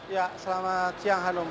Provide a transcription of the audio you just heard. ya selamat siang hanum